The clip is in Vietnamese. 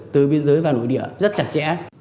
từ biên giới vào nội địa rất chặt chẽ